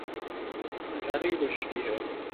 سمجھانے کی کوشش کی ہے